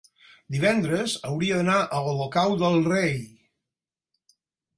Divendres hauria d'anar a Olocau del Rei.